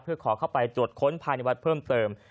เพื่อขอเข้าไปตรวจค้นภายในวัดเพิ่มเติม